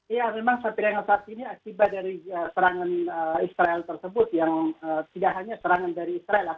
ya memang sampai dengan saat ini akibat dari serangan israel tersebut yang tidak hanya serangan dari israel